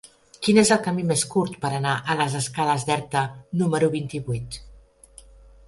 Quin és el camí més curt per anar a les escales d'Erta número vint-i-vuit?